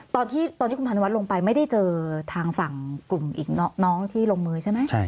ตอนที่คุณพานุวัฒนลงไปไม่ได้เจอทางฝั่งกลุ่มอีกน้องที่ลงมือใช่ไหม